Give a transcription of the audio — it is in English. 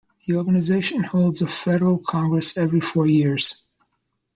The organisation holds a federal congress every four years.